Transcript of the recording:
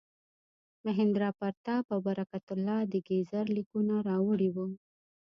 مهیندراپراتاپ او برکت الله د کیزر لیکونه راوړي وو.